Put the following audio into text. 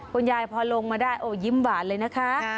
คุณยายพอลงมาได้โอ้ยิ้มหวานเลยนะคะ